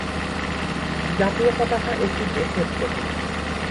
জাতীয় পতাকা একটি দেশের প্রতীক।